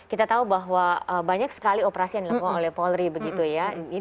kita tahu bahwa banyak sekali operasi yang dilakukan oleh polri begitu ya